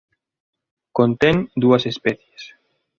Contén dúas especies.